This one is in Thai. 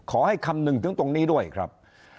ขอให้คำหนึ่งถึงตรงนี้ด้วยครับ